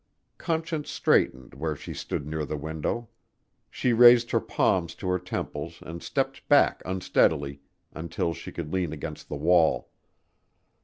Conscience straightened where she stood near the window. She raised her palms to her temples and stepped back unsteadily until she could lean against the wall.